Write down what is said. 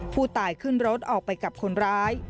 ผู้ตายขึ้นรถออกไปกับคนร้าย